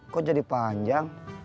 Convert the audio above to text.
kok jadi panjang